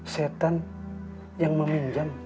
setan yang meminjam